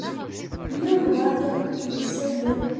Yella walebɛaḍ i akent-id-isawlen?